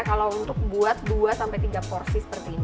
kalau untuk buat dua tiga porsi seperti ini